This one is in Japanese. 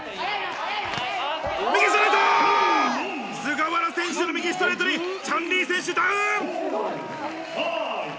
菅原選手の右ストレートにチャン・リー選手ダウン。